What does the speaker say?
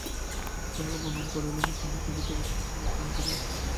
বেণু তাঁহাকে প্রণাম করিল, তিনি বেণুর চিবুকের স্পর্শ লইয়া চুম্বন করিলেন।